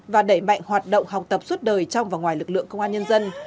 và đẩy mạnh hoạt động học tập suốt đời trong và ngoài lực lượng công an nhân dân